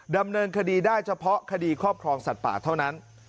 ดำเนินคดีได้เฉพาะคดีครอบครองสัตว์ป่าเท่านั้น